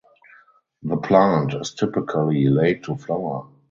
The plant is typically late to flower.